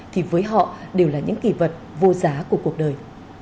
thì với họ đều là những kỷ vật vô giá của cuộc đời